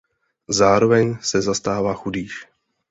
Zároveň se zastává chudých.